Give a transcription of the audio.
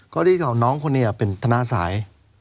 ก็ดีกว่าน้องคนนี้เป็นถนัดซ้าย